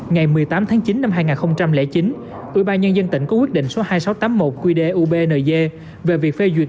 ngày một mươi tám tháng chín năm hai nghìn chín ubnd có quyết định số hai nghìn sáu trăm tám mươi một quy đề ubnd về việc phê duyệt